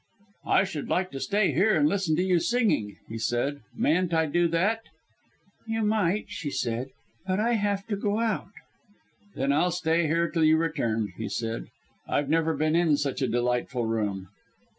"I should like to stay here and listen to you singing," he said. "Mayn't I do that?" "You might," she said, "but I have to go out." "Then I'll stay here till you return," he said, "I've never been in such a delightful room."